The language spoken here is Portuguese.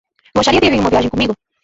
Gostaria de ir em uma viagem comigo?